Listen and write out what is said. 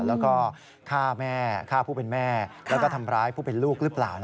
แล้วก็ฆ่าแม่ฆ่าผู้เป็นแม่แล้วก็ทำร้ายผู้เป็นลูกหรือเปล่า